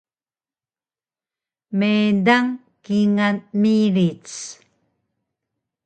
Meydang kingal miric